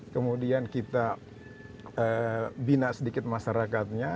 kemudian kita bina sedikit masyarakatnya